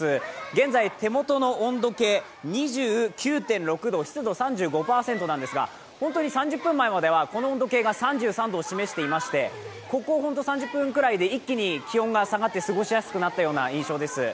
現在、手元の温度計２９．６度、湿度３５％なんですが本当に３０分前までは、この温度計が３３度を示していまして、ここ３０分ぐらいで一気に気温が下がって過ごしやすくなったような印象です。